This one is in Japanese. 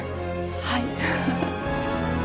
はい。